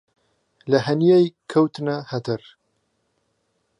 له ههنیەی کهوتنه ههتەر